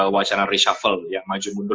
wacana reshuffle ya maju mundur